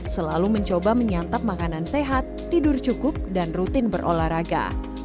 selalu mencoba menyantap makanan sehat tidur cukup dan rutin berolahraga